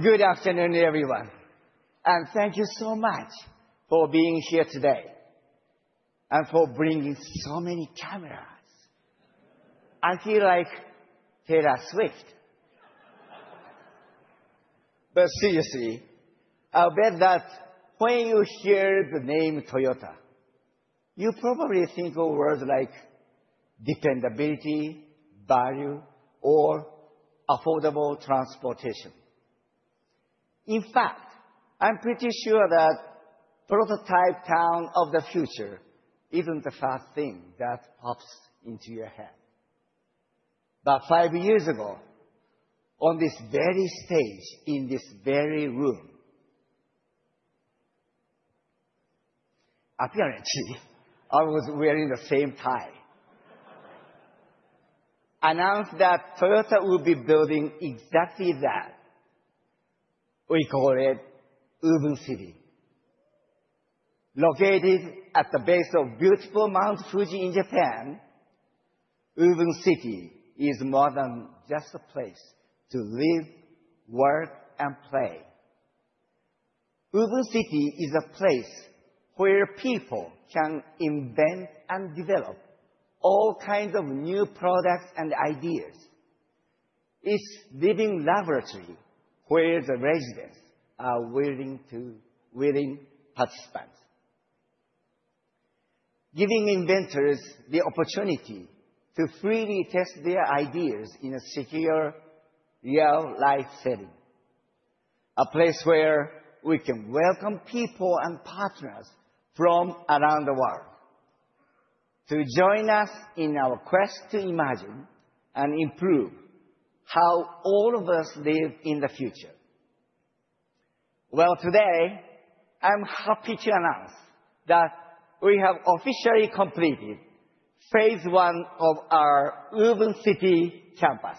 Good afternoon, everyone. And thank you so much for being here today and for bringing so many cameras. I feel like Taylor Swift. But seriously, I bet that when you hear the name Toyota, you probably think of words like dependability, value, or affordable transportation. In fact, I'm pretty sure that prototype town of the future isn't the first thing that pops into your head. But five years ago, on this very stage, in this very room, apparently, I was wearing the same tie, announced that Toyota will be building exactly that. We call it Woven City. Located at the base of beautiful Mount Fuji in Japan, Woven City is more than just a place to live, work, and play. Woven City is a place where people can invent and develop all kinds of new products and ideas. It's a living laboratory where the residents are willing participants, giving inventors the opportunity to freely test their ideas in a secure, real-life setting. A place where we can welcome people and partners from around the world to join us in our quest to imagine and improve how all of us live in the future. Well, today, I'm happy to announce that we have officially completed phase one of our Woven City campus.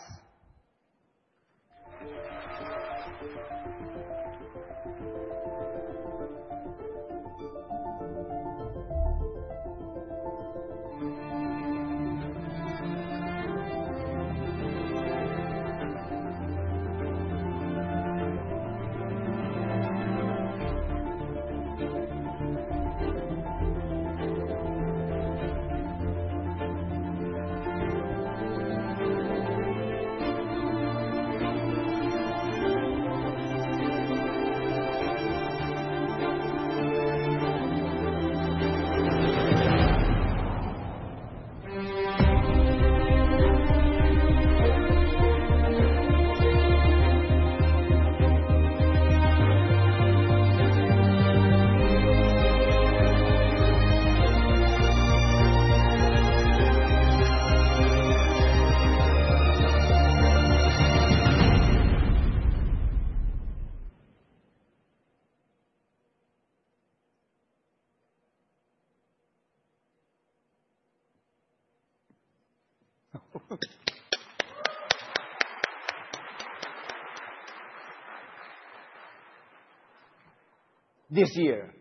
This year,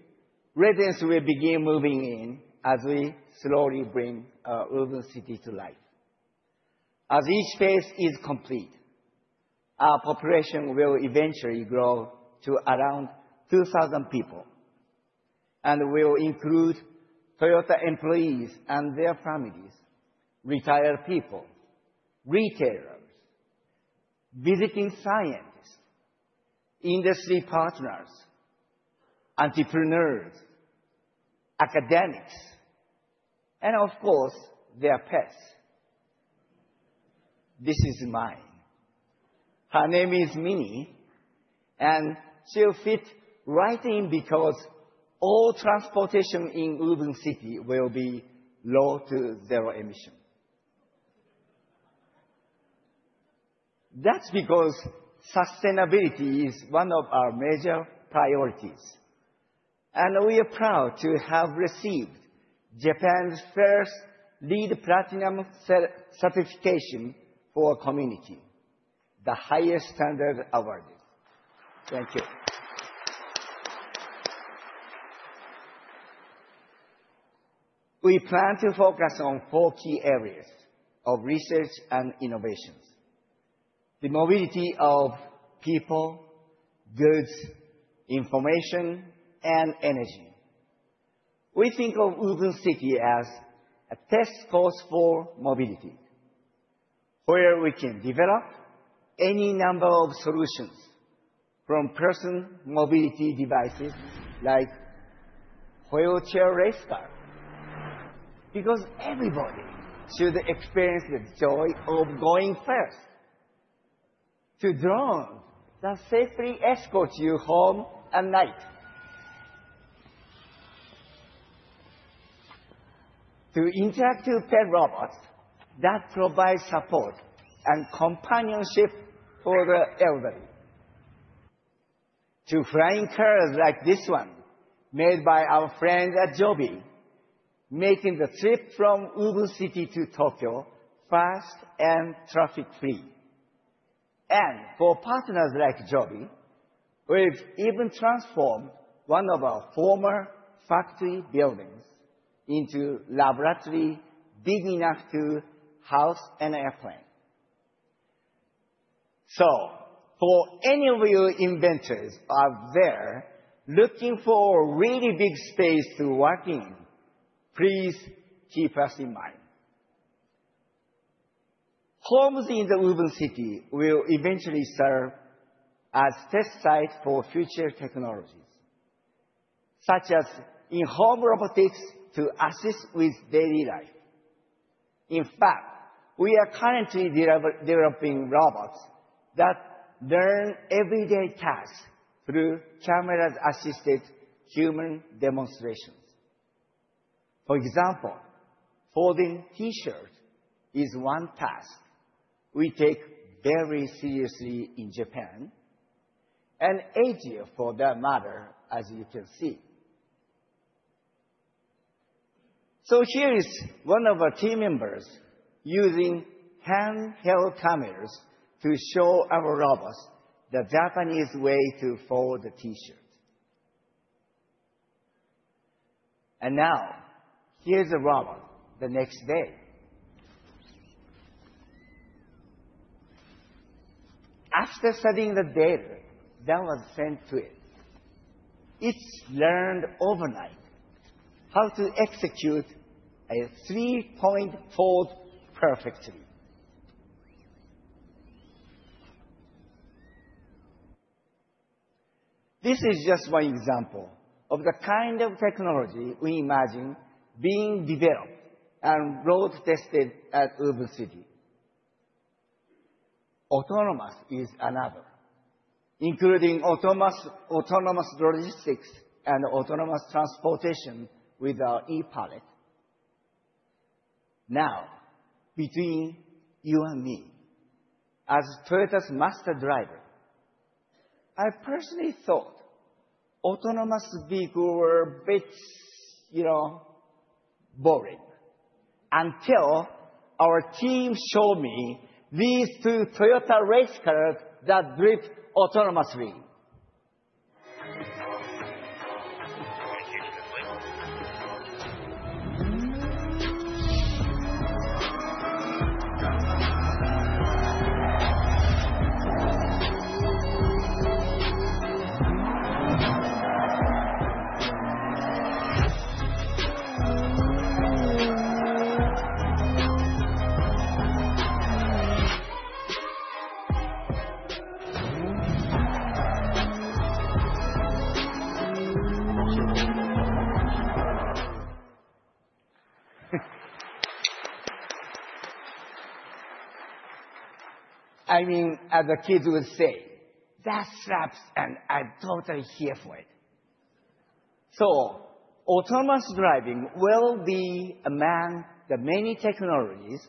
residents will begin moving in as we slowly bring our Woven City to life. As each phase is complete, our population will eventually grow to around 2,000 people and will include Toyota employees and their families, retired people, retailers, visiting scientists, industry partners, entrepreneurs, academics, and of course, their pets. This is mine. Her name is Minnie, and she'll fit right in because all transportation in Woven City will be low to zero emission. That's because sustainability is one of our major priorities, and we are proud to have received Japan's first LEED Platinum certification for a community, the highest standard awarded. Thank you. We plan to focus on four key areas of research and innovation: the mobility of people, goods, information, and energy. We think of Woven City as a test course for mobility where we can develop any number of solutions from personal mobility devices like wheelchair race cars, because everybody should experience the joy of going first, to drones that safely escort you home at night, to interactive pet robots that provide support and companionship for the elderly, to flying cars like this one made by our friends at Joby, making the trip from Woven City to Tokyo fast and traffic-free. For partners like Joby, we've even transformed one of our former factory buildings into a laboratory big enough to house an airplane. For any of you inventors out there looking for a really big space to work in, please keep us in mind. Homes in the Woven City will eventually serve as test sites for future technologies, such as in-home robotics to assist with daily life. In fact, we are currently developing robots that learn everyday tasks through camera-assisted human demonstrations. For example, folding T-shirts is one task we take very seriously in Japan, and AI for that matter, as you can see. Here is one of our team members using handheld cameras to show our robots the Japanese way to fold a T-shirt. Now, here's a robot the next day. After studying the data that was sent to it, it's learned overnight how to execute a three-point fold perfectly. This is just one example of the kind of technology we imagine being developed and road-tested at Woven City. Autonomous is another, including autonomous logistics and autonomous transportation with our e-Palette. Now, between you and me, as Toyota's Master Driver, I personally thought autonomous vehicles were a bit, you know, boring until our team showed me these two Toyota race cars that drift autonomously. Thank you, Simon Humphries. I mean, as the kids will say, that's snaps, and I totally here for it. So autonomous driving will be among the many technologies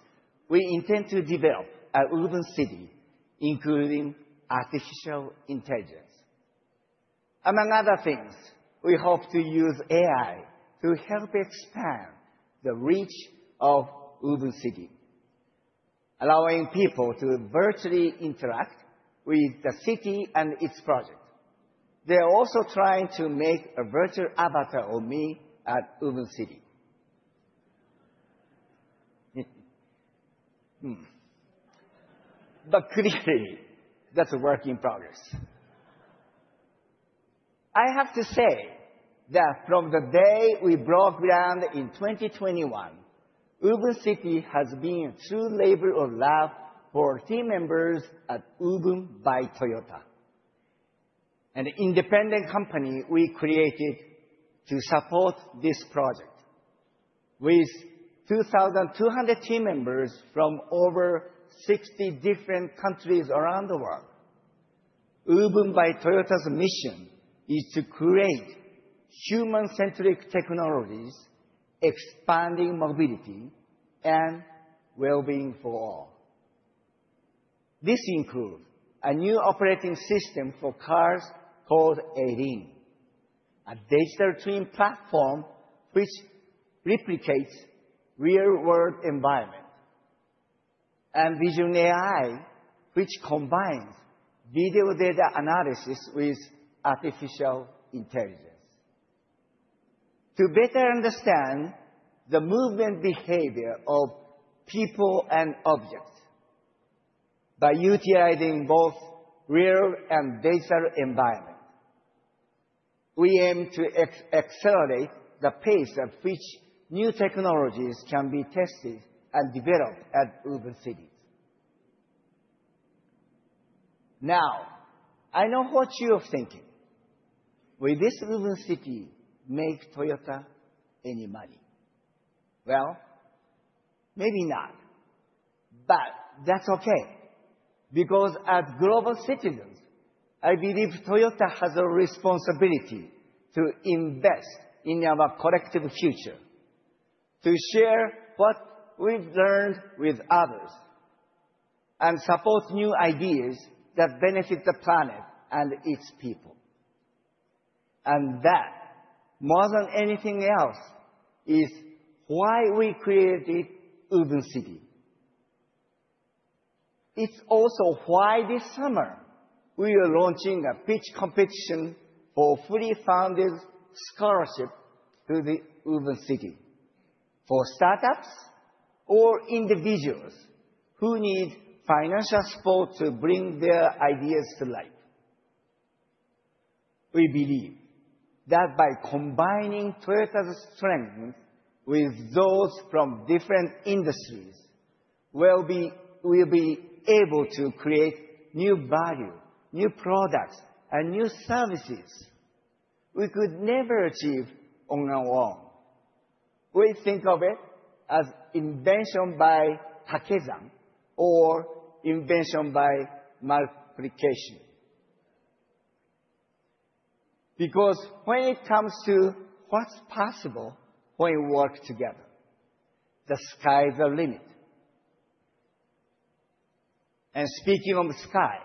we intend to develop at Woven City, including artificial intelligence. Among other things, we hope to use AI to help expand the reach of Woven City, allowing people to virtually interact with the city and its projects. They're also trying to make a virtual avatar of me at Woven City. But clearly, that's a work in progress. I have to say that from the day we broke ground in 2021, Woven City has been a true labor of love for team members at Woven by Toyota, an independent company we created to support this project. With 2,200 team members from over 60 different countries around the world, Woven by Toyota's mission is to create human-centric technologies, expanding mobility and well-being for all. This includes a new operating system for cars called Arene, a digital twin platform which replicates the real-world environment, and Vision AI, which combines video data analysis with artificial intelligence to better understand the movement behavior of people and objects by utilizing both real and digital environments. We aim to accelerate the pace at which new technologies can be tested and developed at Woven City. Now, I know what you're thinking. Will this Woven City make Toyota any money? Well, maybe not. But that's okay. Because as global citizens, I believe Toyota has a responsibility to invest in our collective future, to share what we've learned with others, and support new ideas that benefit the planet and its people. And that, more than anything else, is why we created Woven City. It's also why this summer we are launching a pitch competition for fully funded scholarships to the Woven City for startups or individuals who need financial support to bring their ideas to life. We believe that by combining Toyota's strengths with those from different industries, we'll be able to create new value, new products, and new services we could never achieve on our own. We think of it as invention by Kakezan or invention by multiplication. Because when it comes to what's possible when we work together, the sky is the limit. And speaking of the sky,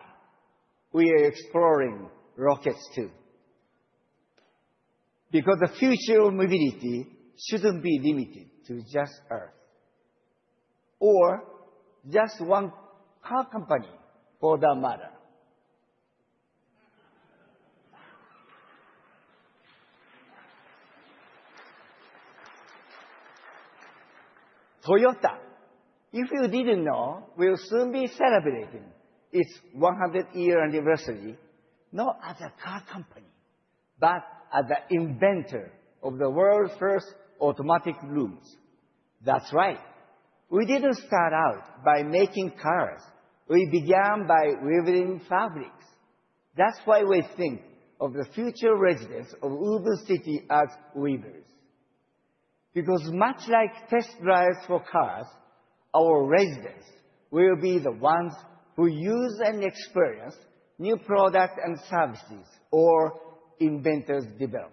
we are exploring rockets too. Because the future of mobility shouldn't be limited to just Earth or just one car company, for that matter. Toyota, if you didn't know, will soon be celebrating its 100-year anniversary not as a car company, but as the inventor of the world's first automatic looms. That's right. We didn't start out by making cars. We began by weaving fabrics. That's why we think of the future residents of Woven City as weavers. Because much like test drives for cars, our residents will be the ones who use and experience new products and services our inventors develop.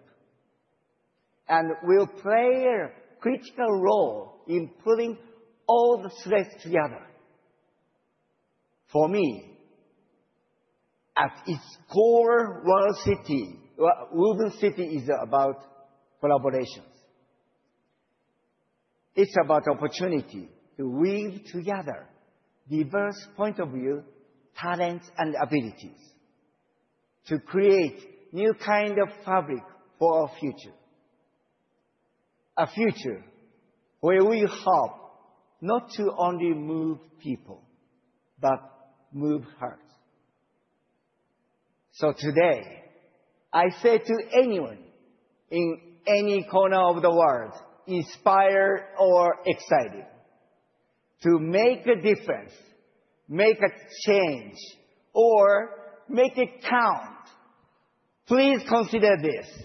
And we'll play a critical role in pulling all the threads together. For me, at its core, Woven City is about collaborations. It's about opportunity to weave together diverse points of view, talents, and abilities to create new kinds of fabric for our future. A future where we hope not to only move people, but move hearts. So today, I say to anyone in any corner of the world, inspired or excited, to make a difference, make a change, or make it count, please consider this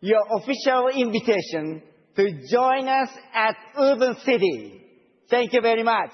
your official invitation to join us at Woven City. Thank you very much.